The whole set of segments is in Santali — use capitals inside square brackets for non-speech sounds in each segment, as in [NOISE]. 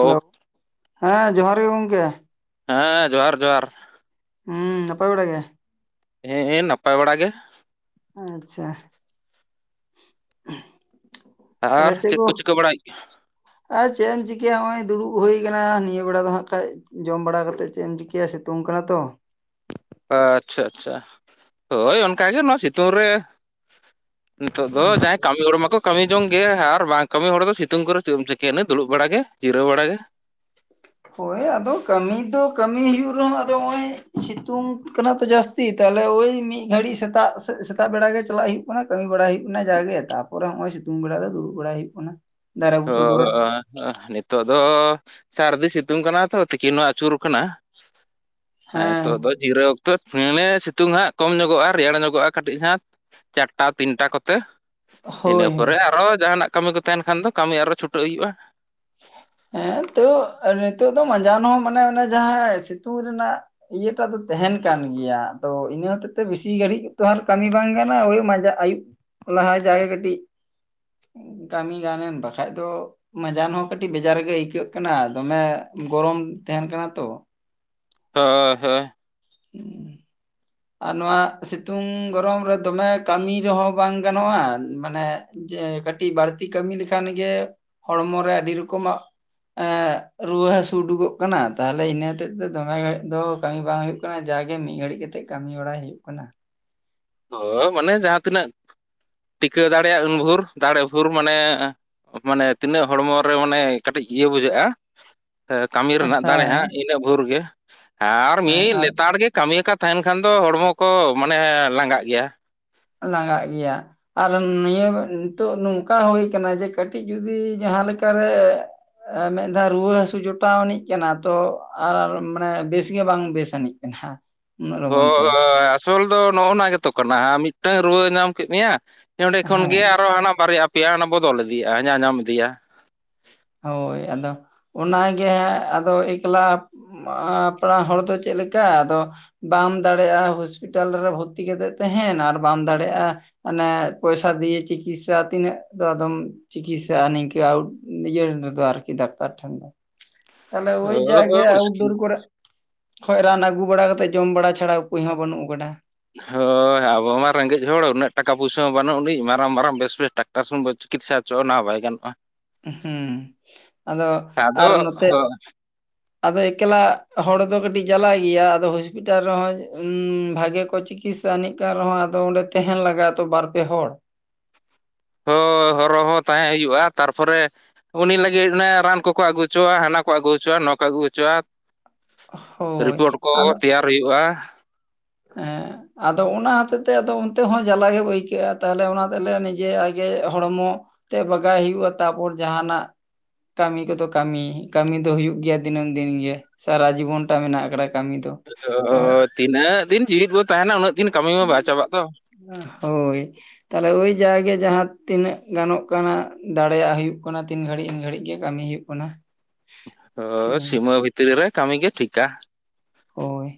ᱦᱮᱞᱳ, ᱦᱮᱸ ᱡᱚᱦᱟᱨ ᱜᱮ ᱜᱚᱝᱠᱮ। ᱦᱮᱸ ᱦᱮᱸ ᱡᱚᱦᱟᱨ ᱡᱚᱦᱟᱨ ᱦᱩᱸ ᱱᱟᱯᱟᱭ ᱵᱟᱲᱟ ᱜᱮ? ᱦᱮ ᱦᱮ ᱱᱟᱯᱟᱭ ᱵᱟᱲᱟ ᱜᱮ। ᱟᱪᱪᱷᱟ ᱟᱨ ᱪᱮᱫ ᱠᱚ ᱪᱤᱠᱟᱹ ᱵᱟᱲᱟᱭᱮᱫ ᱜᱮᱭᱟ ᱟᱨ ᱪᱮᱫ ᱮᱢ ᱪᱤᱠᱟᱹᱭᱟ ᱱᱚᱜᱼᱚᱭ ᱫᱩᱲᱩᱵ ᱦᱩᱭ ᱟᱠᱟᱱᱟ ᱱᱤᱭᱟᱹ ᱵᱮᱲᱟ ᱫᱚ ᱦᱟᱸᱜ ᱠᱷᱟᱡ। ᱡᱚᱢ ᱵᱟᱲᱟ ᱠᱟᱛᱮᱫ ᱪᱮᱫ ᱮᱢ ᱪᱤᱠᱟᱹᱭᱟ ᱥᱤᱛᱩᱝ ᱠᱟᱱᱟ ᱛᱚ। ᱟᱪᱪᱷᱟ ᱟᱪᱪᱷᱟ ᱦᱳᱭ ᱚᱱᱠᱟᱜᱮ ᱱᱚᱣᱟ ᱥᱤᱛᱩᱝ ᱨᱮ ᱱᱤᱛᱚᱜ ᱫᱚ ᱡᱟᱸᱦᱟᱭ ᱠᱟᱹᱢᱤ ᱦᱚᱲ ᱢᱟᱠᱚ ᱠᱟᱹᱢᱤ ᱡᱚᱝ ᱜᱮ ᱟᱨ ᱵᱟᱝ ᱠᱟᱹᱢᱤ ᱦᱚᱲ ᱫᱚ ᱥᱤᱛᱩᱝ ᱠᱚᱨᱮ ᱪᱮᱫ ᱮᱢ ᱪᱤᱠᱟᱹᱭᱟ ᱫᱩᱲᱩᱵ ᱵᱟᱲᱟᱟᱜ ᱜᱮ ᱡᱤᱨᱟᱹᱣ ᱵᱟᱲᱟ ᱜᱮ। ᱦᱳᱭ ᱟᱫᱚ ᱠᱟᱹᱢᱤ ᱫᱚ ᱠᱟᱹᱢᱤ ᱦᱩᱭᱩᱜ ᱨᱮᱦᱚᱸ ᱟᱫᱚ ᱱᱚᱜᱼᱭ ᱥᱤᱛᱩᱝ ᱠᱟᱱᱟ ᱛᱚ ᱡᱟᱹᱥᱛᱤ। ᱡᱟᱹᱥᱛᱤ ᱛᱟᱦᱚᱞᱮ ᱳᱭ ᱢᱤᱫ ᱜᱷᱟᱹᱲᱤᱡ ᱥᱮᱛᱟᱜ ᱥᱮᱫ ᱥᱮᱛᱟᱜ ᱵᱮᱲᱟ ᱜᱮ ᱪᱟᱞᱟᱜ ᱦᱩᱭᱩᱜ ᱠᱟᱱᱟ ᱠᱟᱹᱢᱤ ᱵᱟᱲᱟ ᱦᱩᱭᱩᱜ ᱠᱟᱱᱟ ᱡᱟᱜᱮ ᱛᱟ ᱯᱚᱨᱮ ᱱᱚᱸᱜᱼᱚᱭ ᱥᱤᱛᱩᱝ ᱵᱮᱲᱟ ᱫᱚ ᱫᱩᱲᱩᱵ ᱵᱟᱲᱟᱭ ᱦᱩᱭᱩᱜ ᱠᱟᱱᱟ। ᱫᱟᱨᱮ ᱚ ᱵᱩᱴᱟᱹ ᱠᱚᱨᱮ ᱱᱤᱛᱚᱜ ᱫᱚ ᱥᱟᱹᱨᱫᱤ ᱥᱤᱛᱩᱝ ᱠᱟᱱᱟ ᱛᱚ ᱛᱤᱠᱤᱱ ᱦᱚᱸ ᱟᱹᱪᱩᱨ ᱟᱠᱟᱱᱟ। ᱦᱮᱸ ᱱᱤᱛᱚᱜ ᱫᱚ ᱡᱤᱨᱟᱹᱣ ᱚᱠᱛᱚ ᱦᱮ ᱥᱤᱛᱩᱝ ᱦᱟᱸᱜ ᱠᱚᱢ ᱧᱚᱜᱚᱜᱼᱟ ᱨᱮᱭᱟᱲ ᱧᱚᱜᱚᱜᱼᱟ ᱠᱟᱹᱴᱤᱡ ᱦᱟᱸᱜ ᱪᱟᱨᱴᱟ ᱛᱤᱱᱴᱟ ᱠᱚᱛᱮ ᱤᱱᱟᱹ ᱦᱳᱭ ᱦᱳᱭ ᱯᱚᱨᱮ ᱟᱨᱚ ᱡᱟᱦᱟᱱᱟᱜ ᱠᱟᱹᱢᱤ ᱠᱚ ᱛᱟᱦᱮᱱ ᱠᱷᱟᱱ ᱫᱚ ᱠᱟᱹᱢᱤ ᱟᱨᱚ ᱪᱷᱩᱴᱟᱹᱜ ᱦᱩᱭᱩᱜᱼᱟ। ᱦᱮᱸ ᱛᱚ ᱱᱤᱛᱚᱜ ᱫᱚ ᱢᱟᱸᱡᱟᱱ ᱦᱚᱸ ᱢᱟᱱᱮ ᱚᱱᱮ ᱡᱟᱦᱟᱸ ᱥᱤᱛᱩᱝ ᱨᱮᱱᱟᱜ ᱤᱭᱟᱹᱴᱟᱜ ᱫᱚ ᱛᱟᱦᱮᱱ ᱠᱟᱱ ᱜᱮᱭᱟ ᱛᱚ ᱤᱱᱟᱹ ᱦᱚᱛᱮᱜ ᱛᱮ ᱵᱮᱥᱤ ᱜᱷᱟᱹᱲᱤᱡ ᱛᱚ ᱠᱟᱹᱢᱤ ᱵᱟᱝ ᱠᱟᱱᱟ ᱳᱭ ᱢᱟᱡᱟᱱ ᱟᱹᱭᱩᱵ ᱞᱟᱦᱟ ᱡᱟᱜᱮ ᱠᱟᱹᱴᱤᱡ ᱠᱟᱹᱢᱤ ᱜᱟᱱ ᱮᱱ ᱵᱟᱠᱷᱟᱡ ᱫᱚ ᱢᱟᱡᱟᱱ ᱦᱚᱸ ᱠᱟᱹᱴᱤᱡ ᱵᱮᱡᱟᱨ ᱜᱮ ᱟᱹᱭᱠᱟᱹᱜ ᱠᱟᱱᱟ ᱫᱚᱢᱮ ᱜᱚᱨᱚᱢ ᱛᱟᱦᱮᱱ ᱠᱟᱱᱟ ᱛᱚ। ᱦᱳᱭ ᱦᱳᱭ ᱦᱩᱸ [UNINTELLIGIBLE] ᱟᱨ ᱱᱚᱣᱟ ᱥᱤᱛᱩᱝ ᱜᱚᱨᱚᱢ ᱨᱮ ᱫᱚᱢᱮ ᱠᱟᱹᱢᱤ ᱨᱮᱦᱚᱸ ᱵᱟᱝ ᱜᱟᱱᱚᱜᱼᱟ ᱢᱟᱱᱮ ᱡᱮ ᱠᱟᱹᱴᱤᱡ ᱵᱟᱹᱲᱛᱤ ᱠᱟᱹᱢᱤ ᱞᱮᱠᱷᱟᱱ ᱜᱮ ᱦᱚᱲᱢᱚ ᱨᱮ ᱟᱹᱰᱤ ᱨᱚᱠᱚᱢᱟᱜ ᱨᱩᱣᱟᱹ ᱦᱟᱹᱥᱩ ᱩᱰᱩᱠᱚᱜ ᱠᱟᱱᱟ ᱛᱟᱦᱚᱞᱮ ᱤᱱᱟᱹ ᱦᱚᱛᱮᱫ ᱛᱮ ᱫᱚᱢᱮ ᱜᱷᱟᱹᱲᱤᱡ ᱫᱚ ᱠᱟᱹᱢᱤ ᱵᱟᱝ ᱦᱩᱭᱩᱜ ᱠᱟᱱᱟ। ᱡᱟᱜᱮ ᱢᱤᱫ ᱜᱷᱟᱹᱲᱤᱡ ᱠᱟᱛᱮᱜ ᱠᱟᱹᱢᱤ ᱵᱟᱲᱟᱭ ᱦᱩᱭᱩᱜ ᱠᱟᱱᱟ ᱦᱳᱭ ᱢᱟᱱᱮ ᱡᱟᱦᱟᱸ ᱛᱤᱱᱟᱹᱜ ᱴᱤᱠᱟᱹᱣ ᱫᱟᱲᱮᱭᱟᱜ ᱩᱱᱵᱷᱩᱨ ᱫᱟᱲᱮ ᱵᱷᱳᱨ ᱢᱟᱱᱮ ᱢᱟᱱᱮ ᱛᱤᱱᱟᱹᱜ ᱦᱚᱲᱢᱚ ᱨᱮ ᱢᱟᱱᱮ ᱠᱟᱹᱴᱤᱡ ᱤᱭᱟᱹ ᱵᱩᱡᱷᱟᱹᱜᱼᱟ ᱠᱟᱹᱢᱤ ᱨᱮᱱᱟᱜ ᱫᱟᱲᱮ ᱦᱮᱸ ᱦᱟᱸᱜ ᱤᱱᱟᱹᱜ ᱵᱷᱳᱨ ᱜᱮ ᱟᱨ ᱦᱮᱸ ᱢᱤᱫ ᱟᱨ ᱞᱮᱛᱟᱲ ᱜᱮ ᱠᱟᱹᱢᱤᱭᱟᱠᱟᱫ ᱛᱟᱦᱮᱱ ᱠᱷᱟᱱ ᱫᱚ ᱦᱚᱲᱢᱚ ᱠᱚ ᱢᱟᱱᱮ ᱞᱟᱸᱜᱟᱜ ᱜᱮᱭᱟ ᱞᱟᱸᱜᱟᱜ ᱜᱮᱭᱟ ᱟᱨ ᱱᱤᱭᱟᱹ ᱱᱤᱛᱚᱜ ᱱᱚᱝᱠᱟ ᱦᱩᱭ ᱟᱠᱟᱱᱟ ᱡᱮ ᱠᱟᱹᱴᱤᱡ ᱡᱚᱫᱤ ᱡᱟᱦᱟᱸ ᱞᱮᱠᱟᱨᱮ ᱢᱤᱫ ᱫᱷᱟᱣ ᱨᱩᱣᱟᱹ ᱦᱟᱹᱥᱩ ᱡᱚᱴᱟᱣ ᱟᱹᱱᱤᱡ ᱠᱟᱱᱟ ᱛᱚ ᱟᱨ ᱢᱟᱱᱮ ᱵᱮᱥ ᱜᱮ ᱵᱟᱝ ᱵᱮᱥ ᱟᱹᱱᱤᱡ ᱠᱟᱱᱟ ᱮᱱᱦᱚ ᱦ ᱟᱥᱚᱞ ᱫᱚ ᱱᱚᱜᱼᱚ ᱱᱚᱣᱟ ᱜᱮᱛᱚ ᱠᱟᱱᱟ ᱢᱤᱫᱴᱟᱝ ᱨᱩᱣᱟᱹ ᱧᱟᱢ ᱠᱮᱫ ᱢᱮᱭᱟ ᱱᱚᱸᱰᱮ ᱠᱷᱚᱱᱜᱮ ᱦᱮᱸ ᱟᱨᱚ ᱦᱟᱱᱟ ᱵᱟᱨᱭᱟ ᱯᱮᱭᱟ ᱦᱟᱱᱟ ᱵᱚᱫᱚᱞ ᱤᱫᱤᱭᱟ ᱧᱟ-ᱧᱟᱢ ᱤᱫᱤᱭᱟ ᱦᱳᱭ ᱟᱫᱚ ᱚᱱᱟᱜᱮ ᱟᱫᱚ ᱮᱠᱞᱟ ᱢᱟ ᱯᱮᱲᱟ ᱦᱚᱲ ᱫᱚ ᱪᱮᱫ ᱞᱮᱠᱟ ᱟᱫᱚ ᱵᱟᱢ ᱫᱟᱲᱮᱜᱼᱟ ᱦᱚᱥᱯᱤᱴᱟᱞ ᱨᱮ ᱵᱷᱚᱨᱛᱤ ᱠᱟᱛᱮᱫ ᱛᱟᱦᱮᱱ ᱟᱨ ᱵᱟᱢ ᱫᱟᱲᱮᱭᱟᱜᱼᱟ ᱢᱟᱱᱮ ᱯᱚᱭᱥᱟ ᱫᱤᱭᱮ ᱪᱤᱠᱤᱛᱥᱟ ᱛᱤᱱᱟᱹᱜ ᱫᱚ ᱟᱫᱚᱢ ᱪᱤᱠᱤᱛᱥᱟᱼᱟ ᱱᱤᱝᱠᱟᱹ। ᱱᱤᱭᱟᱹ ᱨᱮᱫᱚ ᱟᱨᱠᱤ ᱰᱟᱠᱛᱟᱨ ᱴᱷᱮᱱ ᱫᱚ ᱛᱟᱞᱮ ᱳᱭ ᱡᱟᱜᱮ ᱦᱳᱭ ᱢᱩᱥᱠᱤᱞ ᱟᱣᱩᱴᱰᱳᱨ ᱠᱚᱨᱮ ᱠᱷᱚᱱ ᱨᱟᱱ ᱟᱹᱜᱩ ᱵᱟᱲᱟ ᱠᱟᱛᱮᱫ ᱡᱚᱢ ᱵᱟᱲᱟ ᱪᱷᱟᱲᱟ ᱩᱯᱟᱹᱭ ᱦᱚᱸ ᱵᱟᱹᱱᱩᱜ ᱟᱠᱟᱫᱟ ᱦᱳᱭ ᱟᱵᱚ ᱢᱟ ᱨᱮᱸᱜᱮᱡ ᱦᱚᱲ ᱩᱱᱟᱹᱜ ᱴᱟᱠᱟ ᱯᱩᱭᱥᱟᱹ ᱦᱚᱸ ᱵᱟᱹᱱᱩᱜ ᱟᱹᱱᱤᱡ ᱢᱟᱨᱟᱝ ᱢᱟᱨᱟᱝ ᱵᱮᱥ ᱵᱮᱥ ᱴᱟᱠᱟ ᱛᱟᱨᱟᱥ ᱪᱤᱠᱤᱛᱥᱟ ᱦᱚᱪᱚᱼᱟ ᱚᱱᱟ ᱦᱚᱸ ᱵᱟᱭ ᱜᱟᱱᱚᱜᱼᱟ᱾ ᱦᱮᱸ ᱟᱫᱚ ᱟᱫᱚ ᱟᱨ ᱱᱚᱛᱮ ᱟᱫᱚ ᱮᱠᱞᱟ ᱦᱚᱲ ᱫᱚ ᱠᱟᱹᱴᱤᱡ ᱡᱟᱞᱟ ᱜᱮᱭᱟ ᱟᱫᱚ ᱦᱚᱥᱯᱤᱴᱟᱞ ᱨᱮᱦᱚᱸ ᱵᱷᱟᱜᱮ ᱠᱚ ᱛᱤᱠᱤᱥᱟ ᱟᱹᱱᱤᱡ ᱠᱟᱱ ᱨᱮᱦᱚᱸ ᱟᱫᱚ ᱚᱸᱰᱮ ᱛᱟᱦᱮᱱ ᱞᱟᱜᱟᱜᱼᱟ ᱛᱚ ᱵᱟᱨ ᱯᱮ ᱦᱚᱲ ᱦᱳᱭ ᱦᱚᱨᱚ ᱦᱚᱸ ᱛᱟᱦᱮᱸ ᱦᱩᱭᱩᱜᱼᱟ ᱛᱟᱨᱯᱚᱨᱮ ᱩᱱᱤ ᱞᱟᱹᱜᱤᱫ ᱚᱱᱟ ᱨᱟᱱ ᱠᱚᱠᱚ ᱟᱹᱜᱩ ᱦᱚᱪᱚᱣᱟ ᱦᱟᱱᱟ ᱠᱚ ᱟᱹᱜᱩ ᱦᱚᱪᱚᱣᱟ ᱱᱚᱣᱟ ᱠᱚ ᱟᱹᱜᱩ ᱦᱚᱪᱚᱣᱟ ᱦᱳᱭ ᱨᱤᱯᱳᱨᱴ ᱠᱚ ᱛᱮᱭᱟᱨ ᱦᱩᱭᱩᱜᱼᱟ ᱦᱮ ᱟᱫᱚ ᱚᱱᱟ ᱦᱚᱛᱮᱜ ᱛᱮ ᱟᱫᱚ ᱚᱱᱛᱮ ᱦᱚᱸ ᱡᱟᱞᱟ ᱜᱮ ᱟᱹᱭᱠᱟᱹᱜᱼᱟ ᱛᱟᱦᱞᱮ ᱚᱱᱟ ᱛᱮᱞᱮ ᱱᱤᱡᱮ ᱟᱡᱜᱮ ᱦᱚᱲᱢᱚ ᱛᱮ ᱵᱟᱜᱟᱭ ᱦᱩᱭᱩᱜᱼᱟ ᱛᱟᱯᱚᱨ ᱡᱟᱦᱟ ᱱᱟᱜ ᱠᱟᱹᱢᱤ ᱠᱚᱫᱚ ᱠᱟᱹᱢᱤ ᱠᱟᱹᱢᱤ ᱫᱚ ᱦᱩᱭᱩᱜ ᱜᱮᱭᱟ ᱫᱤᱱᱟᱹᱢ ᱫᱤᱱ ᱜᱮ ᱥᱟᱨᱟ ᱡᱤᱵᱚᱱ ᱴᱟ ᱢᱮᱱᱟᱜ ᱟᱠᱟᱫᱟ ᱠᱟᱹᱢᱤ ᱫᱚ ᱛᱚ ᱚ ᱛᱤᱱᱟᱹᱜ ᱫᱤᱱ ᱡᱤᱣᱮᱫ ᱵᱚ ᱛᱟᱦᱮᱱᱟ ᱩᱱᱟᱹᱜ ᱫᱤᱱ ᱠᱟᱹᱢᱤ ᱢᱟ ᱵᱟᱭ ᱪᱟᱵᱟᱜ ᱛᱚ ᱦᱳᱭ ᱛᱟᱦᱚᱞᱮ ᱳᱭ ᱡᱟᱭᱮ ᱡᱟᱦᱟᱸ ᱛᱤᱱᱟᱹᱜ ᱜᱟᱱᱚᱜ ᱠᱟᱱᱟ ᱫᱟᱲᱮᱭᱟᱜ ᱦᱩᱭᱩᱜ ᱠᱟᱱᱟ ᱛᱤᱱ ᱜᱷᱟᱹᱲᱤᱡ ᱤᱱ ᱜᱷᱟᱹᱲᱤᱡ ᱜᱮ ᱠᱟᱹᱢᱤ ᱦᱩᱭᱩᱜ ᱠᱟᱱᱟ ᱚ ᱥᱤᱢᱟᱹ ᱵᱷᱤᱛᱨᱤ ᱨᱮ ᱠᱟᱹᱢᱤ ᱜᱮ ᱴᱷᱤᱠᱟ ᱦᱳᱭ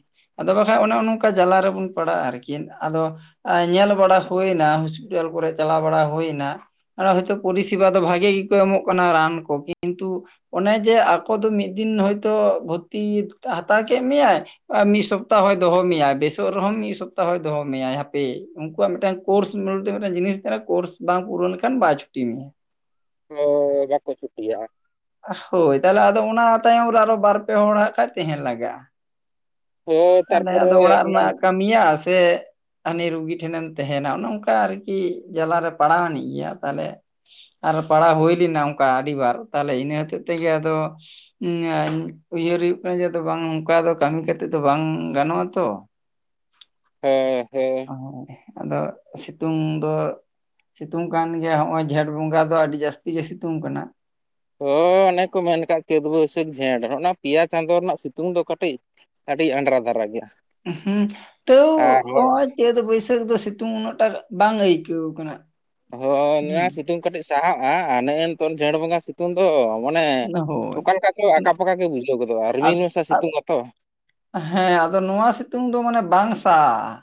ᱟᱫᱚ ᱵᱟᱠᱷᱟᱡ ᱚᱱᱮ ᱱᱚᱝᱠᱟ ᱡᱟᱞᱟ ᱨᱮᱵᱚᱱ ᱯᱟᱲᱟᱜᱼᱟ ᱟᱨᱠᱤ ᱟᱫᱚ ᱧᱮᱞ ᱵᱟᱲᱟ ᱦᱩᱭᱱᱟ ᱦᱚᱥᱯᱤᱴᱟᱞ ᱠᱚᱨᱮ ᱪᱟᱞᱟᱣ ᱵᱟᱲᱟ ᱦᱩᱭᱱᱟ᱾ ᱟᱨ ᱦᱚᱭᱛᱚ ᱯᱚᱨᱤᱥᱮᱵᱟ ᱫᱚ ᱵᱷᱟᱜᱮ ᱜᱮᱠᱚ ᱮᱢᱚᱜ ᱠᱟᱱᱟ ᱨᱟᱱ ᱠᱚ ᱠᱤᱱᱛᱩ ᱚᱱᱮ ᱡᱮ ᱟᱠᱚ ᱫᱚ ᱢᱤᱫ ᱫᱤᱱ ᱦᱚᱭᱛᱳ ᱵᱷᱚᱨᱛᱤ ᱦᱟᱛᱟᱣ ᱠᱮᱫ ᱢᱮᱭᱟᱭ ᱢᱤᱫ ᱥᱚᱯᱛᱟᱦᱚᱭ ᱫᱚᱦᱚ ᱢᱮᱟᱭ ᱵᱮᱥᱚᱜ ᱨᱮᱦᱚᱸ ᱢᱤᱫ ᱥᱚᱯᱛᱟᱦᱚᱭᱭ ᱫᱚᱦᱚ ᱢᱮᱭᱟᱭ ᱦᱟᱯᱮ ᱩᱱᱠᱩᱣᱟᱜ ᱢᱤᱫᱴᱟᱝ ᱠᱳᱨᱥ ᱢᱤᱫᱴᱮᱱ ᱡᱤᱱᱤᱥ ᱛᱟᱦᱮᱱᱟ ᱠᱳᱨᱥ ᱵᱟᱝ ᱯᱩᱨᱟᱹ ᱞᱮᱱᱠᱷᱟᱱ ᱵᱟᱭ ᱪᱷᱩᱴᱤ ᱢᱮᱭᱟ᱾ ᱚ ᱵᱟᱠᱚ ᱪᱷᱩᱴᱤᱭᱟ ᱦᱳᱭ ᱛᱟᱦᱚᱞᱮ ᱟᱫᱚ ᱚᱱᱟ ᱛᱟᱭᱚᱢ ᱨᱮ ᱟᱨᱚ ᱵᱟᱨ ᱯᱮ ᱦᱚᱲ ᱦᱟᱜ ᱠᱷᱟᱡ ᱛᱟᱦᱮᱱ ᱞᱟᱜᱟᱜᱼᱟ᱾ ᱦᱳᱭ ᱛᱟᱦᱚᱞᱮ ᱛᱟᱨᱯᱚᱨᱮ ᱟᱫᱚ ᱚᱲᱟᱜ ᱨᱮᱱᱟᱜ ᱠᱟᱹᱢᱤᱭᱟ ᱥᱮ ᱦᱟᱱᱤ ᱨᱩᱜᱤ ᱴᱷᱮᱱᱮᱢ ᱛᱟᱦᱮᱱᱟ ᱚᱱᱮ ᱚᱱᱠᱟ ᱟᱨᱠᱤ ᱡᱟᱞᱟᱨᱮ ᱯᱟᱲᱟᱣᱱᱤᱡ ᱜᱮᱭᱟ ᱛᱟᱦᱚᱞᱮ ᱟᱨ ᱯᱟᱲᱦᱟᱣ ᱦᱩᱭ ᱞᱮᱱᱟ ᱚᱱᱠᱟ ᱟᱹᱰᱤᱵᱟᱨ ᱛᱟᱦᱚᱞᱮ ᱤᱱᱟᱹ ᱦᱚᱛᱮᱡ ᱛᱮᱜᱮ ᱟᱫᱚ ᱩᱭᱦᱟᱹᱨ ᱦᱩᱭᱩᱜ ᱠᱟᱱᱟ ᱡᱮ ᱟ ᱵᱟᱝ ᱱᱚᱝᱠᱟ ᱫᱚ ᱠᱟᱹᱢᱤ ᱠᱟᱛᱮᱜ ᱫᱚ ᱵᱟᱝ ᱜᱟᱱᱚᱜᱼᱟ ᱛᱚ ᱦᱚ ᱦᱚ ᱚ ᱟᱫᱚ ᱥᱤᱛᱩᱝ ᱫᱚ ᱥᱤᱛᱩᱝ ᱠᱟᱱ ᱜᱮᱭᱟ ᱦᱚᱸᱜ ᱚᱚᱭ ᱡᱷᱮᱸᱴ ᱵᱚᱸᱜᱟ ᱫᱚ ᱟᱹᱰᱤ ᱡᱟᱹᱥᱛᱤ ᱜᱮ ᱥᱤᱛᱩᱝ ᱠᱟᱱᱟ᱾ ᱦᱳᱭ ᱚᱱᱮ ᱠᱚ ᱢᱮᱱ ᱠᱟᱜ ᱞᱮᱠᱟᱛᱮ ᱵᱟᱹᱭᱥᱟᱹᱠᱷ ᱡᱷᱮᱸᱴ ᱚᱱᱟ ᱯᱮᱭᱟ ᱪᱟᱸᱫᱳ ᱨᱮᱱᱟᱜ ᱥᱤᱛᱩᱝ ᱫᱚ ᱠᱟᱹᱴᱤᱡ ᱟᱹᱰᱤ ᱟᱸᱰᱨᱟ ᱫᱷᱟᱨᱟ ᱜᱮᱭᱟ ᱦᱩᱸ ᱛᱟ. ᱟᱨ ᱦᱚᱲ ᱣ ᱪᱟᱹᱛ ᱵᱟᱹᱭᱥᱟᱹᱠ ᱫᱚ ᱥᱤ ᱱᱛᱩ ᱩᱱᱟᱹᱜ ᱴᱟ ᱵᱟᱝ ᱟᱹᱭᱠᱟᱹᱣ ᱠᱟᱱᱟ ᱦᱳᱭ ᱱᱚᱣᱟ ᱥᱤᱛᱩᱝ ᱠᱟᱹᱴᱤᱡ ᱥᱟᱦᱟᱜᱼᱟ ᱟᱨ ᱱᱮᱜᱼ ᱱᱤᱛᱚᱝ ᱡᱷᱮᱸᱴ ᱵᱚᱸᱜᱟ ᱥᱤᱛᱩᱝ ᱥᱤᱛᱩᱝ ᱫᱚ ᱢᱟᱱᱮ ᱦᱳᱭ ᱚᱠᱟ ᱠᱚ ᱟᱠᱟᱼ ᱯᱟᱠᱟ ᱜᱮ ᱵᱩᱡᱷᱟᱹᱣ ᱜᱚᱫᱚᱜᱼᱟ ᱨᱤᱢᱤᱱ ᱢᱮᱥᱟ ᱥᱤᱛᱩᱝ ᱟᱛᱚ ᱦᱮᱸ ᱟᱫᱚ ᱱᱚᱣᱟ ᱥᱤᱛᱩᱝ ᱫᱚ ᱢᱟᱱᱮ ᱵᱟᱝ ᱥᱟᱦᱟᱜᱼᱟ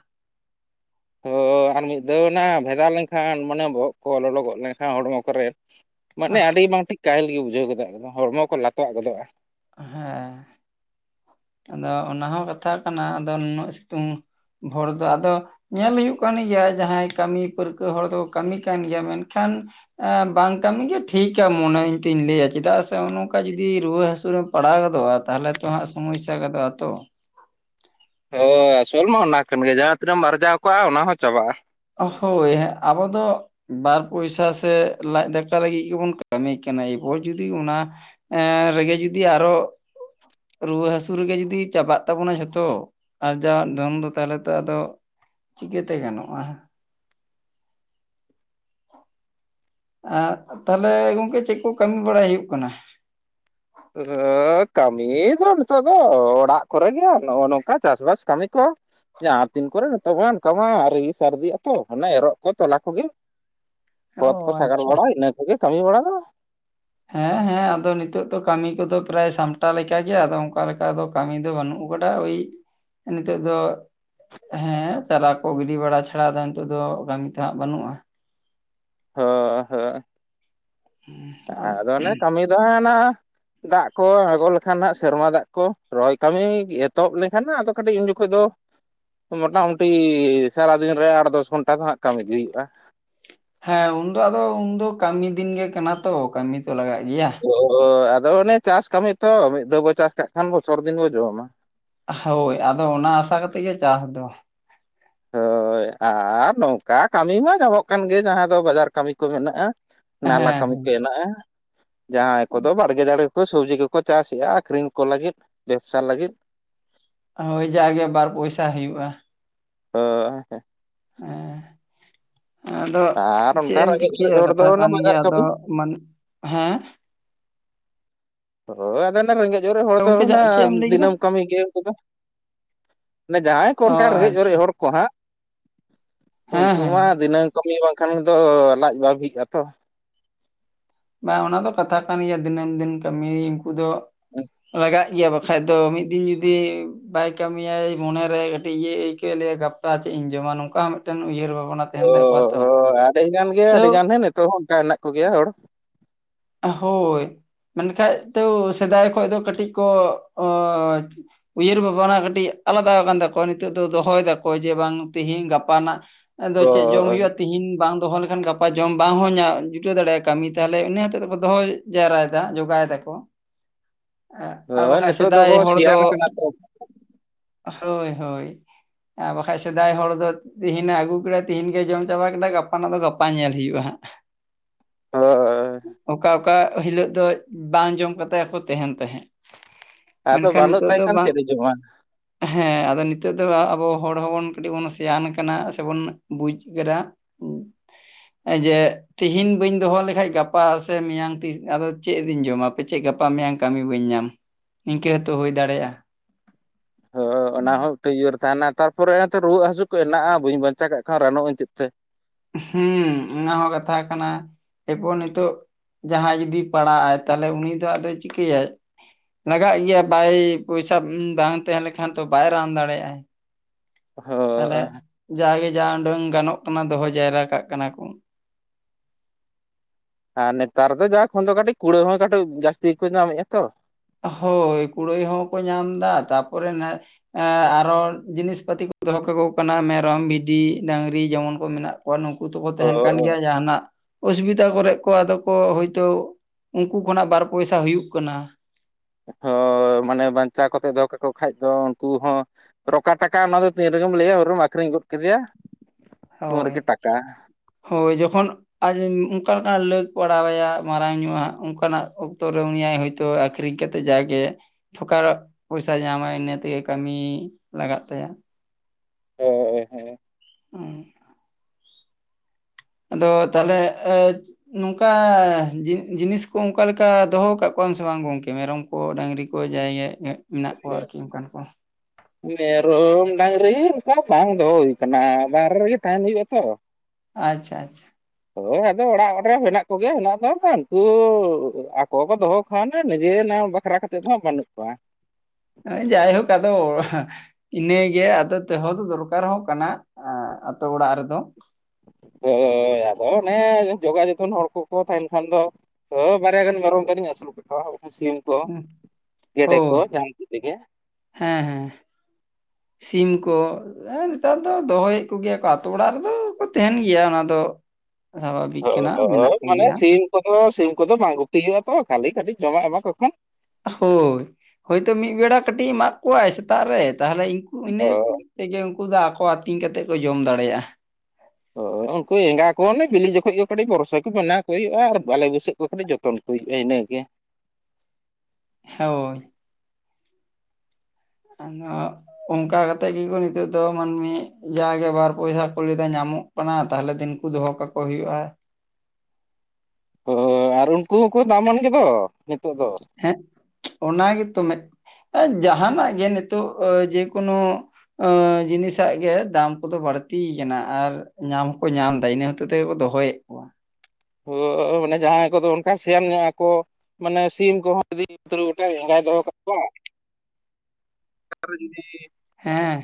ᱛᱚ ᱟᱨ ᱢᱤᱫ ᱫᱷᱟᱣ ᱚᱱᱟ ᱵᱷᱮᱫᱟ ᱞᱮᱱᱠᱷᱟᱱ ᱢᱟᱱᱮ ᱵᱚᱦᱚᱜ ᱠᱚ ᱞᱚᱞᱚ ᱜᱚᱜ ᱞᱮᱱᱠᱷᱟᱱ ᱦᱚᱲᱢᱚ ᱠᱚᱨᱮ ᱢᱟᱱᱮ ᱟᱹᱰᱤ ᱵᱟᱝ ᱴᱷᱤᱠ ᱠᱟᱹᱦᱤᱞ ᱜᱮ ᱵᱩᱡᱷᱟᱹᱣ ᱜᱚᱫᱚᱜ ᱦᱚᱲᱢᱚ ᱠᱚ ᱞᱟᱛᱚᱟᱜ ᱜᱚᱫᱚᱜᱼᱟ ᱦᱮᱸ ᱟᱫᱚ ᱚᱱᱟ ᱦᱚᱸ ᱠᱟᱛᱷᱟ ᱠᱟᱱᱟ ᱟᱫᱚ ᱱᱩᱱᱟᱹᱜ ᱥᱤᱛᱩᱝ ᱵᱷᱳᱨ ᱫᱚ ᱟᱫᱚ ᱧᱮᱞ ᱦᱩᱭᱩᱜ ᱠᱟᱱ ᱜᱮᱭᱟ ᱡᱟᱦᱟᱸᱭ ᱠᱟᱹᱢᱤ ᱯᱟᱹᱨᱠᱟᱹ ᱦᱚᱲ ᱫᱚ ᱠᱟᱹᱢᱤ ᱠᱟᱱ ᱜᱮᱭᱟ ᱢᱮᱱᱠᱷᱟᱱ ᱵᱟᱝ ᱠᱟᱹᱢᱤ ᱜᱮ ᱴᱷᱤᱠᱟ ᱢᱚᱱᱮ ᱤᱧ ᱛᱚᱧ ᱞᱟᱹᱭᱟ ᱪᱮᱫᱟᱜ ᱥᱮ ᱚᱱᱚ ᱱᱚᱝᱠᱟ ᱡᱩᱫᱤ ᱨᱩᱣᱟᱹ ᱦᱟᱹᱥᱩ ᱨᱮ ᱯᱟᱲᱟᱣ ᱜᱚᱫᱚᱜᱼᱟ ᱛᱟᱦᱚᱞᱮ ᱛᱚ ᱦᱟᱸᱜ ᱥᱚᱢᱚᱥᱥᱟ ᱜᱚᱫᱚᱜᱼᱟ ᱛᱚ ᱦᱳᱭ ᱟᱥᱚᱞ ᱢᱟ ᱚᱱᱟ ᱠᱟᱱ ᱜᱮ ᱡᱟᱦᱟᱸ ᱛᱤᱱᱟᱹᱜ ᱮᱢ ᱟᱨᱡᱟᱣ ᱠᱟᱜᱼᱟ ᱚᱱᱟ ᱦᱚᱸ ᱪᱟᱵᱟᱜᱼᱟ ᱦᱳᱭ ᱟᱵᱚ ᱫᱚ ᱵᱟᱨ ᱯᱚᱭᱥᱟ ᱥᱮ ᱞᱟᱡ ᱫᱟᱠᱟ ᱞᱟᱹᱜᱤᱫ ᱜᱮᱵᱚᱱ ᱠᱟᱹᱢᱤᱜ ᱠᱟᱱᱟ ᱮᱨᱯᱚᱨ ᱡᱩᱫᱤ ᱚᱱᱟ ᱮ ᱨᱮᱜᱮᱡ ᱡᱩᱫᱤ ᱟᱨᱚ ᱨᱩᱣᱟᱹ ᱦᱟᱹᱥᱩ ᱨᱮᱜᱮ ᱡᱩᱫᱤ ᱪᱟᱵᱟᱜ ᱛᱟᱵᱚᱱᱟ ᱡᱷᱚᱛᱚ ᱟᱨᱡᱟᱣᱟᱜ ᱫᱷᱚᱱ ᱫᱚ ᱛᱟᱦᱚᱞᱮ ᱛᱚ ᱟᱫᱚ ᱪᱤᱠᱟᱹᱛᱮ ᱜᱟᱱᱚᱜᱼᱟ ᱮ ᱛᱟᱦᱚᱞᱮ ᱜᱚᱝᱠᱮ ᱪᱮᱫ ᱠᱚ ᱠᱟᱹᱢᱤ ᱵᱟᱲᱟᱭ ᱦᱩᱭᱩᱜ ᱠᱟᱱᱟ [UNINTELLIGIBLE] ᱠᱟᱹᱢᱤ ᱫᱚ ᱱᱤᱛᱚᱜ ᱫᱚ ᱚᱲᱟᱜ ᱠᱚᱨᱮ ᱜᱮ ᱱᱚᱜᱼᱚ ᱱᱚᱝᱠᱟ ᱪᱟᱥᱵᱟᱥ ᱠᱟᱹᱢᱤ ᱠᱚ ᱡᱟᱦᱟᱸ ᱛᱤᱱ ᱠᱚᱨᱮ ᱛᱚᱚᱱ ᱚᱱᱠᱟ ᱢᱟ ᱟᱨ ᱥᱟᱨᱫᱤᱜ ᱟᱛᱚ ᱦᱟᱱᱮ ᱮᱨᱚᱜ ᱠᱚ ᱛᱚᱞᱟ ᱠᱚᱜᱮ ᱠᱷᱚᱛ ᱠᱚ ᱚ ᱥᱟᱜᱟᱲ ᱟᱪᱪᱷᱟ ᱵᱟᱲᱟ ᱤᱱᱟᱹ ᱠᱚᱜᱮ ᱠᱟᱹᱢᱤ ᱵᱟᱲᱟ ᱫᱚ ᱦᱮᱸ ᱦᱮᱸ ᱟᱫᱚ ᱱᱤᱛᱚᱜ ᱫᱚ ᱠᱟᱹᱢᱤ ᱠᱚᱫᱚ ᱯᱨᱟᱭ ᱥᱟᱢᱴᱟᱣ ᱞᱮᱠᱟ ᱜᱮ ᱟᱫᱚ ᱚᱱᱠᱟ ᱞᱮᱠᱟ ᱠᱟᱹᱢᱤ ᱫᱚ ᱵᱟᱹᱱᱩᱜ ᱠᱟᱫᱟ ᱳᱭ ᱱᱤᱛᱚᱜ ᱫᱚ ᱦᱮᱸ ᱪᱟᱨᱟ ᱠᱚ ᱜᱤᱰᱤ ᱵᱟᱲᱟ ᱪᱷᱟᱲᱟ ᱫᱚ ᱱᱤᱛᱚᱜ ᱫᱚ ᱠᱟᱹᱢᱤ ᱫᱚᱦᱟᱸᱜ ᱵᱟᱹᱱᱩᱜᱼᱟ ᱦ ᱦᱳᱭ ᱟᱫᱚ ᱚᱱᱮ ᱠᱟᱹᱢᱤ ᱫᱚ ᱦᱟᱱᱟ ᱫᱟᱜ ᱠᱚ ᱟᱬᱜᱚ ᱞᱮᱠᱷᱟᱱ ᱦᱜ ᱥᱮᱨᱢᱟ ᱫᱟᱜ ᱠᱚ ᱨᱚᱦᱚᱭ ᱠᱟᱹᱢᱤ ᱮᱛᱚᱦᱚᱵ ᱞᱮᱱᱠᱷᱟᱱ ᱟᱫᱚ ᱠᱟᱹᱴᱤᱡ ᱩᱱ ᱡᱚᱠᱷᱚᱱ ᱫᱚ ᱢᱳᱚᱴᱟᱟᱢᱩᱴᱤ ᱥᱟᱨᱟᱫᱤᱱ ᱨᱮ ᱟᱴ ᱫᱚᱥ ᱜᱷᱚᱱᱴᱟ ᱫᱚ ᱦᱟᱜ ᱠᱟᱹᱢᱤ ᱜᱮ ᱦᱩᱭᱩᱜᱼᱟ ᱦᱮᱸ ᱩᱱᱫᱚ ᱟᱫᱚ ᱩᱱᱫᱚ ᱠᱟᱹᱢᱤ ᱫᱤᱱ ᱜᱮ ᱠᱟᱱᱟ ᱛᱚ ᱠᱟᱹᱢᱤ ᱛᱚ ᱞᱟᱜᱟᱜ ᱜᱮᱭᱟ ᱚ ᱟᱫᱚ ᱚᱱᱮ ᱪᱟᱥ ᱠᱟᱹᱢᱤ ᱛᱚ ᱢᱤᱫ ᱫᱷᱟᱣ ᱵᱚ ᱪᱟᱥ ᱠᱟᱜ ᱠᱷᱟᱱ ᱵᱚᱪᱷᱚᱨ ᱫᱤᱱ ᱵᱚ ᱡᱚᱢᱟ ᱦᱳᱭ ᱟᱫᱚ ᱚᱱᱟ ᱟᱥᱟ ᱠᱟᱛᱮᱫ ᱜᱮ ᱪᱟᱥ ᱫᱚ ᱦᱳᱭ ᱟᱨ ᱱᱚᱝᱠᱟ ᱠᱟᱹᱢᱤ ᱢᱟ ᱧᱟᱢᱚᱜ ᱠᱟᱱ ᱜᱮ ᱡᱟᱦᱟᱸ ᱫᱚ ᱵᱟᱡᱟᱨ ᱠᱟᱹᱢᱤ ᱠᱚ ᱢᱮᱱᱟᱜᱼᱟ ᱦᱮᱸ ᱱᱟᱞᱞᱟ ᱦᱮᱸ ᱠᱟᱹᱢᱤᱛᱮ ᱦᱮᱱᱟᱜᱼᱟ ᱡᱟᱦᱟᱸᱭ ᱠᱚᱫᱚ ᱵᱟᱝ ᱵᱟᱲᱜᱮ ᱫᱟᱲᱮ ᱠᱚ ᱥᱚᱵᱽᱡᱤ ᱠᱚᱠᱚ ᱪᱟᱥᱮᱫᱼᱟ ᱟᱠᱷᱨᱤᱧ ᱠᱚ ᱞᱟᱹᱜᱤᱫ ᱵᱮᱵᱥᱟ ᱞᱟᱹᱜᱤᱫ ᱳᱭ ᱡᱟᱜᱮ ᱵᱟᱨ ᱯᱚᱭᱥᱟ ᱦᱩᱭᱩᱜᱼᱟ [UNINTELLIGIBLE] [UNINTELLIGIBLE] ᱟᱫᱚ ᱟᱨ ᱪᱮᱫ ᱚᱱᱠᱟ ᱮᱢ ᱨᱮᱸᱜᱮᱡ ᱚᱨᱮᱡ ᱪᱤᱠᱟᱹᱭᱟ ᱦᱚᱲ ᱫᱚ ᱠᱟᱛᱷᱟ ᱚᱱᱟ ᱠᱟᱱ ᱵᱟᱡᱟᱨ ᱜᱮᱭᱟ ᱟᱫᱚ ᱠᱟᱹᱢᱤ ᱢᱟᱱᱮ ᱦᱮᱸ ᱦᱳᱭ ᱟᱫᱚ ᱨᱮᱸᱜᱮᱡᱚᱨᱮᱡ ᱦᱚᱲ ᱫᱚ ᱜᱚᱝᱠᱮ ᱪᱮᱫ ᱦᱩᱱᱟᱝ ᱮᱢ ᱞᱟᱹᱭ ᱠᱮᱫᱟ ᱫᱤᱱᱟᱹᱢ ᱠᱟᱹᱢᱤ ᱜᱮᱭᱟ ᱩᱱᱠᱩ ᱫᱚ ᱚᱱᱮ ᱡᱟᱦᱟᱸᱭ ᱠᱚ ᱚ ᱚᱱᱠᱟ ᱨᱮᱜᱮᱡ ᱟᱪᱪᱷᱟ ᱚᱨᱮᱡ ᱦᱚᱲ ᱠᱚ ᱦᱟᱸᱜ ᱦᱮᱸ ᱩᱱᱠᱩ ᱦᱮᱸ ᱢᱟ ᱫᱤᱱᱟᱹᱢ ᱠᱟᱹᱢᱤ ᱵᱟᱝᱠᱷᱟᱱ ᱫᱚ ᱞᱟᱡ ᱵᱟᱝ ᱵᱤᱜ ᱛᱟᱠᱚᱣᱟ ᱵᱟᱝ ᱚᱱᱟ ᱫᱚ ᱠᱟᱛᱷᱟ ᱠᱟᱱ ᱜᱮᱭᱟ ᱫᱤᱱᱟᱹᱢ ᱫᱤᱱ ᱠᱟᱹᱢᱤ ᱩᱱᱠᱩ ᱫᱚ ᱞᱟᱜᱟᱜ ᱜᱮᱭᱟ ᱵᱟᱠᱚ ᱵᱟᱠᱷᱟᱡ ᱫᱚ ᱢᱤᱫ ᱫᱤᱱ ᱡᱩᱫᱤ ᱵᱟᱭ ᱠᱟᱹᱢᱤᱭᱟᱭ ᱢᱚᱱᱮᱨᱮ ᱠᱟᱹᱴᱤᱡ ᱤᱭᱟᱹ ᱟᱹᱭᱠᱟᱹᱜ ᱞᱮᱭᱟ ᱜᱟᱯᱟ ᱜᱟᱯᱟ ᱪᱮᱫ ᱤᱧ ᱡᱚᱢᱟ ᱱᱚᱝᱠᱟ ᱦᱚᱸ ᱢᱤᱫᱴᱮᱱ ᱩᱭᱦᱟᱹᱨ ᱵᱷᱟᱵᱽᱱᱟ ᱛᱟᱦᱮᱱ ᱚ ᱛᱟᱠᱚᱣᱟ ᱛᱚ [UNINTELLIGIBLE] ᱛᱚ ᱦᱚᱸ ᱚᱱᱠᱟ ᱦᱮᱱᱟᱜ ᱠᱚᱜᱮᱭᱟ ᱦᱚᱲ ᱦᱳᱭ ᱢᱮᱱᱠᱷᱟᱡ ᱛᱚ ᱥᱮᱫᱟᱭ ᱠᱷᱚᱱ ᱫᱚ ᱠᱟᱹᱴᱤᱡ ᱠᱚ [UNINTELLIGIBLE] ᱩᱭᱦᱟᱹᱨ ᱵᱷᱟᱵᱽᱚᱱᱟ ᱠᱟᱹᱴᱤᱡ ᱟᱞᱟᱫᱟ ᱠᱟᱱ ᱛᱟᱠᱚᱣᱟ ᱱᱤᱛᱚᱜ ᱫᱚ ᱫᱚᱦᱚᱭ ᱫᱟᱠᱚ ᱡᱮ ᱵᱟᱝ ᱛᱮᱤᱦᱤᱧ ᱜᱟᱯᱟᱱᱟᱜ ᱟᱫᱚ ᱪᱮᱫ ᱡᱚᱢ ᱦᱳᱭ ᱦᱩᱭᱩᱜᱼᱟ ᱛᱤᱦᱤᱧ ᱵᱟᱝ ᱫᱚᱦᱚ ᱞᱮᱠᱷᱟᱱ ᱜᱟᱯᱟ ᱡᱚᱢ ᱵᱟᱝ ᱦᱚᱸ ᱡᱩᱴᱟᱹᱣ ᱫᱟᱲᱮᱭᱟᱜᱼᱟ ᱠᱟᱹᱢᱤ ᱛᱟᱦᱚᱞᱮ ᱩᱱᱤ ᱱᱤᱛᱚ ᱫᱚᱠᱚ ᱫᱚᱦᱚ ᱡᱟᱣᱨᱟᱭᱮᱫᱟ ᱡᱚᱜᱟᱣ ᱫᱟᱠᱚ ᱟᱨ ᱦᱳᱭ ᱵᱟᱠᱷᱟᱡ ᱱᱤᱛᱚᱜ ᱥᱮᱫᱟᱭ ᱫᱚᱠᱚ ᱦᱚᱲ ᱫᱚ ᱥᱮᱭᱟᱱ ᱠᱟᱱᱟ ᱛᱚ ᱦᱳᱭ ᱦᱳᱭ ᱟᱨ ᱵᱟᱠᱷᱟᱡ ᱥᱮᱫᱟᱭ ᱦᱚᱲ ᱫᱚ ᱛᱤᱦᱤᱧᱮ ᱟᱹᱜᱩ ᱠᱮᱫᱟ ᱛᱮᱦᱤᱧ ᱜᱮ ᱡᱚᱢ ᱪᱟᱵᱟ ᱠᱮᱫᱟ ᱜᱟᱯᱟ ᱫᱚ ᱜᱟᱯᱟ ᱧᱮᱞ ᱦᱩᱭᱩᱜᱼᱟ ᱦᱟᱸᱜ [UNINTELLIGIBLE] ᱚᱠᱟ ᱚᱠᱟ ᱦᱤᱞᱳᱜ ᱫᱚ ᱵᱟᱝ ᱡᱚᱢ ᱠᱟᱛᱮᱜ ᱜᱮᱠᱚ ᱛᱟᱦᱮᱱ ᱛᱟᱦᱮᱸᱫ ᱟᱫᱚ ᱢᱮᱱᱠᱷᱟᱱ ᱵᱟᱹᱱᱩᱜ ᱱᱤᱛᱚᱜ ᱛᱟᱭ ᱫᱚ ᱠᱷᱟᱱ ᱵᱟᱝ ᱪᱮᱫ ᱮ ᱡᱚᱢᱟ ᱦᱮᱸ ᱟᱫᱚ ᱱᱤᱛᱚᱜ ᱫᱚ ᱟᱵᱚ ᱦᱚᱲ ᱦᱚᱸᱵᱚᱱ ᱠᱟᱹᱴᱤᱡ ᱵᱚᱱ ᱥᱮᱭᱟᱱ ᱠᱟᱱᱟ ᱥᱮᱵᱚᱱ ᱵᱩᱡ ᱠᱮᱫᱫᱟ [INAUDIBLE] ᱡᱮ ᱛᱮᱤᱦᱤᱧ ᱵᱟᱹᱧ ᱫᱚᱦᱚ ᱞᱮᱠᱷᱟᱡ ᱜᱟᱯᱟ ᱜᱟᱯᱟ ᱥᱮ ᱢᱮᱭᱟᱝ ᱛᱤᱥ ᱟᱫᱚ ᱪᱮᱫ ᱫᱚᱧ ᱡᱚᱢᱟᱯᱮᱪᱮᱫ ᱜᱟᱯᱟ ᱢᱮᱭᱟᱝ ᱠᱟᱹᱢᱤ ᱵᱟᱹᱧ ᱧᱟᱢ ᱱᱤᱱᱝᱠᱟᱹ ᱦᱚᱸᱛᱚ ᱦᱩᱭ ᱫᱟᱲᱮᱭᱟᱜᱼᱟ ᱦᱳ ᱚᱱᱟ ᱦᱚᱸ ᱢᱤᱫᱴᱮᱡ ᱤᱭᱟᱹ ᱨᱮ ᱛᱟᱦᱮᱱᱟ ᱛᱟᱨᱯᱚᱨᱮ ᱚᱱᱟᱛᱮ ᱨᱩᱣᱟᱹᱜ ᱦᱟᱹᱥᱩ ᱠᱚ ᱦᱱᱟᱜᱼᱟ ᱵᱟᱹᱧ ᱵᱟᱧᱪᱟᱣ ᱠᱟᱜ ᱠᱷᱟᱱ ᱨᱟᱱᱚᱜ ᱟᱹᱧ ᱪᱮᱫ ᱛᱮ ᱦᱮᱸ ᱚᱱᱟ ᱦᱚᱸ ᱠᱟᱛᱷᱟ ᱠᱟᱱᱟ ᱮᱯᱚᱨ ᱱᱤᱛᱚᱜ ᱡᱟᱦᱟᱸᱭ ᱡᱩᱫᱤ ᱯᱟᱲᱟᱜᱼ ᱟᱭ ᱛᱟᱦᱚᱞᱮ ᱩᱱᱤ ᱫᱚ ᱟᱫᱚᱭ ᱪᱤᱠᱟᱹᱭᱟᱭ ᱞᱟᱜᱟᱜ ᱜᱮᱭᱟ ᱵᱟᱭ ᱯᱚᱭᱥᱟ ᱵᱟᱝ ᱛᱟᱦᱮᱸ ᱞᱮᱠᱷᱟᱱ ᱛᱚ ᱵᱟᱭ ᱨᱟᱱ ᱫᱟᱲᱮᱭᱟᱜᱼᱟᱭ ᱛᱟᱦᱚᱞᱮ ᱦᱳᱭ ᱡᱟᱜᱮ ᱡᱟ ᱩᱰᱟᱹᱝ ᱜᱟᱱᱚᱜ ᱛᱟᱢᱟ ᱫᱚᱦᱚ ᱡᱟᱭᱨᱟ ᱠᱟᱜ ᱠᱟᱱᱟ ᱠᱚ ᱟᱨ ᱱᱮᱛᱟᱨ ᱫᱚ ᱡᱟ ᱠᱷᱚᱱ ᱫᱚ ᱠᱟᱹᱴᱤᱡ ᱠᱩᱲᱟᱹ ᱦᱚᱸ ᱠᱟᱹᱴᱤᱡ ᱡᱟᱹᱥᱛᱤ ᱜᱮ ᱠᱚ ᱧᱟᱢᱮᱫᱼᱟ ᱛᱚ ᱦᱳᱭ ᱠᱩᱲᱟᱹᱭ ᱦᱚᱸᱠᱚ ᱧᱟᱢ ᱮᱫᱟ ᱛᱟᱯᱚᱨᱮ ᱟᱨᱚ ᱡᱤᱱᱤᱥ ᱯᱟᱹᱛᱤ ᱠᱚ ᱫᱚᱦᱚ ᱠᱟᱠᱚ ᱠᱟᱱᱟ ᱢᱮᱨᱚᱢ ᱵᱷᱤᱰᱤ ᱰᱟᱹᱝᱨᱤ ᱡᱮᱢᱚᱱ ᱠᱚ ᱢᱮᱱᱟᱜ ᱠᱚᱣᱟ ᱱᱩᱠᱩ ᱛᱚᱠᱚ ᱛᱚ ᱛᱟᱦᱮᱸᱱ ᱠᱟᱱ ᱜᱮᱭᱟ ᱡᱟᱦᱟᱸᱱᱟᱜ ᱚᱥᱩᱵᱤᱫᱟ ᱠᱚᱨᱮ ᱠᱚ ᱟᱫᱚ ᱠᱚ ᱦᱳᱭᱛᱳ ᱩᱱᱠᱩ ᱠᱷᱚᱱᱟᱜ ᱵᱟᱨ ᱯᱚᱭᱥᱟ ᱦᱩᱭᱩᱜ ᱠᱟᱱᱟ ᱦᱳᱭ ᱢᱟᱱᱮ ᱵᱟᱧᱪᱟᱣ ᱠᱚᱛᱮ ᱫᱚᱦᱚ ᱠᱟᱠᱚ ᱠᱷᱟᱱᱡ ᱫᱚ ᱩᱱᱠᱩ ᱦᱚᱸ ᱨᱚᱠᱟ ᱴᱟᱠᱟ ᱚᱱᱟ ᱫᱚ ᱛᱤᱱ ᱨᱮᱜᱮᱢ ᱞᱟᱹᱭᱟ ᱨᱮᱢ ᱟᱠᱷᱨᱤᱧ ᱜᱚᱫ ᱠᱮᱫᱮᱭᱟ ᱩᱱ ᱦᱳᱭ ᱨᱮᱜᱮ ᱴᱟᱠᱟ ᱦᱳᱭ ᱡᱚᱠᱷᱚᱱ ᱟᱡ ᱚᱱᱠᱟ ᱞᱮᱠᱟᱱᱟᱜ ᱞᱟᱹᱠ ᱯᱟᱲᱟᱣ ᱟᱭᱟ ᱢᱟᱨᱟᱝ ᱧᱚᱜᱼᱟᱜ ᱚᱱᱠᱟᱱᱟᱜ ᱚᱠᱛᱚᱨ ᱨᱮ ᱩᱱᱤᱭᱟᱭ ᱦᱳᱭᱛᱳ ᱛᱚ ᱟᱠᱷᱨᱤᱧ ᱠᱟᱛᱮ ᱡᱟᱜᱮ ᱴᱷᱚᱠᱟᱨ ᱯᱚᱭᱥᱟ ᱧᱟᱢᱟᱭ ᱤᱱᱟᱹ ᱛᱮᱜᱮ ᱠᱟᱹᱢᱤ ᱞᱟᱜᱟᱜ ᱛᱟᱭᱟ ᱦᱮ ᱦᱮ ᱦᱳᱭ ᱟᱫᱚ ᱛᱟᱦᱚᱞᱮ ᱮ ᱱᱚᱝᱠᱟ ᱡᱤᱱᱤᱥ ᱠᱚ ᱚᱱᱠᱟ ᱞᱮᱠᱟ ᱫᱚᱦᱚ ᱟᱠᱟᱫ ᱠᱚᱣᱟᱢ ᱥᱮ ᱵᱟᱝ ᱜᱚᱝᱠᱮ ᱢᱮᱨᱚᱢ ᱠᱚ ᱰᱟᱹᱝᱨᱤ ᱠᱚ ᱡᱟᱭ ᱜᱮ ᱢᱮᱱᱟᱜ ᱠᱚᱣᱟ ᱟᱨᱠᱤ ᱚᱱᱠᱟᱱ ᱠᱚ ᱢᱮᱨᱚᱢ ᱰᱟᱝᱨᱤ ᱚᱱᱠᱟ ᱵᱟᱝ ᱫᱚᱦᱚ ᱦᱩᱭ ᱠᱟᱱᱟ ᱵᱟᱨᱦᱮ ᱨᱮᱜᱮ ᱛᱟᱦᱮᱸᱱ ᱦᱩᱭᱩᱜᱼᱟ ᱛᱚ ᱟᱪᱪᱷᱟ ᱟᱪᱪᱷᱟ ᱦᱳᱭ ᱟᱫᱚ ᱚᱲᱟᱜ ᱨᱮ ᱢᱮᱱᱟᱜ ᱠᱚᱜᱮᱭᱟ ᱢᱮᱱᱟᱜ ᱱᱟᱜ ᱫᱚ ᱩᱱᱠᱩ ᱟᱠᱚ ᱠᱚ ᱫᱚᱦᱚ ᱠᱷᱟᱱ ᱱᱤᱡᱮ ᱵᱟᱠᱷ ᱠᱷᱟᱨᱟ ᱠᱟᱛᱮᱫ ᱦᱚᱸ ᱵᱟᱹᱱᱩᱜ ᱠᱚᱣᱟ ᱦᱮ ᱡᱟᱭᱦᱳᱠ ᱟᱫᱚ ᱤᱱᱟᱹᱜᱮ ᱟᱫᱚ ᱛᱮᱦᱚᱸ ᱫᱚ ᱫᱚᱨᱠᱟᱨ ᱦᱚᱸ ᱠᱟᱱᱟ ᱟᱛᱳ ᱚᱲᱟᱜ ᱨᱮᱫᱚ ᱦᱮᱸ ᱦᱳᱭ ᱟᱫᱚ ᱚᱱᱮ ᱡᱚᱜᱟᱣ ᱡᱚᱛᱚᱱ ᱦᱚᱲ ᱠᱚᱠᱚ ᱛᱟᱦᱮᱸᱱ ᱠᱷᱟᱱ ᱫᱚ ᱵᱟᱨᱭᱟ ᱜᱟᱱ ᱢᱮᱨᱚᱢ ᱫᱚᱞᱤᱧ ᱟᱹᱥᱩᱞ ᱠᱚ ᱦᱸ ᱥᱤᱢ ᱠᱚ ᱜᱮᱰᱮ ᱠᱚ ᱦᱳᱭ ᱡᱟᱦᱟᱸᱱ ᱠᱚ ᱛᱮᱜᱮ ᱦᱮᱸ ᱦᱮᱸ ᱥᱤᱢ ᱠᱚ ᱦᱮᱸ ᱱᱮᱛᱟᱨ ᱫᱚ ᱫᱚᱦᱚᱭᱮᱫ ᱠᱚ ᱜᱮᱭᱟ ᱠᱚ ᱟᱛᱳ ᱚᱲᱟᱜ ᱨᱮᱫᱚ ᱠᱚ ᱛᱟᱦᱮᱱ ᱜᱮᱭᱟ ᱚᱱᱟ ᱫᱚ ᱥᱟᱵᱷᱟᱵᱤᱠ ᱠᱟᱱᱟ ᱢᱮᱱᱟᱜ ᱦᱳᱭ ᱢᱟᱱᱮ ᱠᱚᱜᱮᱭᱟ ᱥᱤᱢ ᱠᱚᱫᱚ ᱥᱤᱢ ᱠᱚᱫᱚ ᱵᱟᱝ ᱜᱩᱯᱤ ᱦᱩᱭᱩᱜᱼᱟ ᱛᱚ ᱠᱷᱟᱹᱞᱤ ᱠᱟᱹᱴᱤᱡ ᱡᱚᱢᱟᱜ ᱮᱢᱟ ᱠᱚ ᱠᱷᱟᱱ ᱦᱳᱭ ᱦᱳᱭᱛᱳ ᱢᱤᱫ ᱵᱮᱲᱟ ᱠᱟᱹᱴᱤᱡ ᱮᱢᱟᱜ ᱠᱚᱣᱟᱭ ᱥᱮᱛᱟᱜ ᱨᱮ ᱛᱟᱦᱚᱞᱮ ᱩᱱᱠᱩ ᱤᱱᱟᱹ ᱦᱳᱭ ᱛᱮᱜᱮ ᱩᱱᱠᱩ ᱫᱚ ᱟᱠᱚ ᱟᱹᱛᱤᱧ ᱠᱟᱛᱮᱫ ᱠᱚ ᱡᱚᱢ ᱫᱟᱲᱮᱭᱟᱜᱼᱟ ᱦᱳᱭ ᱩᱱᱠᱩ ᱮᱸᱜᱟ ᱠᱚ ᱚᱱᱮ ᱵᱤᱞᱤ ᱡᱚᱠᱷᱚᱡ ᱜᱮ ᱠᱟᱹᱴᱤᱡ ᱵᱚᱨᱥᱮ ᱠᱚ ᱵᱮᱱᱟᱣ ᱠᱚ ᱦᱩᱭᱩᱜᱼᱟ ᱟᱨ ᱵᱟᱞᱮ ᱵᱩᱥᱟᱹᱜ ᱠᱚ ᱠᱟᱹᱴᱤᱡ ᱡᱚᱛᱚᱱ ᱠᱚ ᱦᱩᱭᱩᱜᱼᱟ ᱤᱱᱟᱹᱜ ᱜᱮ ᱦᱳᱭ ᱟᱫᱚ ᱚᱱᱠᱟ ᱠᱟᱛᱮᱜ ᱜᱮᱠᱚ ᱱᱤᱛᱚᱜ ᱫᱚ ᱢᱟᱹᱱᱢᱤ ᱡᱟᱜᱮ ᱵᱟᱨ ᱯᱚᱭᱥᱟ ᱠᱚ ᱞᱟᱹᱭᱫᱟ ᱧᱟᱢᱚᱜ ᱛᱟᱦᱚᱞᱮ ᱫᱤᱱ ᱠᱚ ᱫᱚᱦᱚ ᱠᱟᱠᱚ ᱦᱩᱭᱩᱜᱼᱟ ᱦᱚ ᱟᱨ ᱩᱱᱠᱩ ᱦᱚᱸᱠᱚ ᱫᱟᱢᱟᱱ ᱜᱮᱫᱚ ᱱᱤᱛᱳ ᱫᱚ ᱦᱮᱸ ᱚᱱᱟ ᱜᱮᱛᱚ ᱢᱮᱫ ᱡᱟᱦᱟᱸᱱᱟᱜ ᱜᱮ ᱱᱤᱛᱚᱜ ᱡᱮᱠᱳᱱᱳ ᱟᱹ ᱡᱤᱱᱤᱥᱼᱟᱜ ᱜᱮ ᱫᱟᱢ ᱠᱚᱫᱚ ᱵᱟᱹᱲᱛᱤᱭ ᱠᱟᱱᱟ ᱟᱨ ᱧᱟᱢ ᱦᱚᱸᱠᱚ ᱧᱟᱢ ᱮᱫᱟ ᱤᱱᱟᱹ ᱦ ᱛᱚ ᱛᱮᱜᱮ ᱠᱚ ᱫᱚᱦᱚᱭᱮᱫ ᱠᱚᱣᱟ ᱦᱚ ᱢᱟᱱᱮ ᱡᱟᱦᱟᱸᱭ ᱠᱚᱫᱚ ᱚᱱᱠᱟ ᱥᱮᱭᱟᱱ ᱧᱚᱜ ᱟᱠᱚ ᱢᱟᱱᱮ ᱥᱤᱢ ᱠᱚᱦᱚᱸ ᱡᱩᱫᱤ ᱛᱩᱨᱩᱭ ᱜᱚᱴᱮᱡ ᱮᱸᱜᱟᱭ ᱫᱚᱦᱚ ᱠᱟᱜ ᱠᱚᱣᱟ ᱟᱨ [INAUDIBLE] ᱡᱤ ᱦᱮᱸ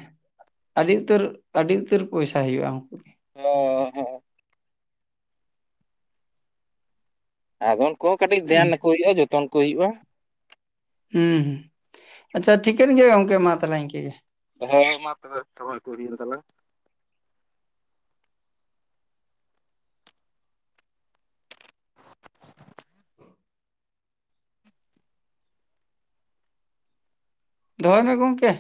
ᱟᱹᱰᱤ ᱩᱛᱟᱹᱨ ᱟᱹᱰᱤ ᱩᱛᱟᱹᱨ ᱯᱚᱭᱥᱟ ᱦᱩᱭᱩᱜᱼᱟ ᱩᱱᱠᱩ ᱜᱮ᱾ [INAUDIBLE] ᱚ ᱟᱫᱚ ᱩᱱᱠᱩ ᱠᱟᱹᱴᱤᱡ ᱦᱩᱸ ᱫᱷᱮᱭᱟᱱ ᱟᱠᱩ ᱦᱩᱭᱩᱜᱼᱟ ᱡᱚᱛᱚᱱ ᱠᱚ ᱦᱩᱭᱩᱜᱼᱟ ᱦᱩᱸ ᱦᱸ ᱟᱪᱪᱷᱟ ᱴᱷᱤᱠᱟᱹᱱ ᱜᱮᱭᱟ ᱜᱚᱝᱠᱮ ᱢᱟ ᱛᱟᱦᱞᱮ ᱤᱱᱠᱟᱹ ᱜᱮ ᱦᱮᱸ ᱢᱟ ᱛᱚᱵᱮ ᱥᱚᱢᱚᱭ ᱠᱚ ᱦᱩᱭᱮᱱ ᱛᱟᱞᱟᱝ ᱫᱚᱦᱚᱭ ᱢᱮ ᱜᱚᱝᱠᱮ